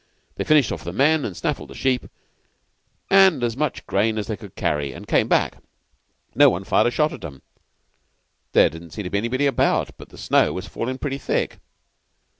They finished off the men, and snaffled the sheep and as much grain as they could carry, and came back. No one fired a shot at 'em. There didn't seem to be anybody about, but the snow was falling pretty thick.